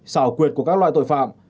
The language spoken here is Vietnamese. xảo quyệt của các loại tội phạm